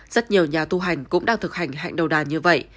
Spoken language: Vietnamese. rất nhiều nhà tu hành cũng đang thực hành hạnh đầu đàn như vậy